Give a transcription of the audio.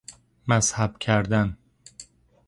مذهب کردن